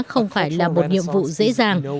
không phải là một nhiệm vụ dễ dàng